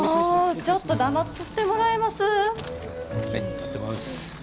もうちょっと黙っとってもらえます？